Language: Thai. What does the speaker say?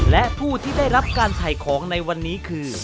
และผู้ที่ได้รับการถ่ายของในวันนี้คือ